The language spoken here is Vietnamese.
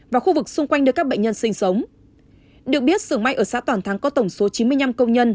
và khu vực xung quanh để các bệnh nhân sinh sống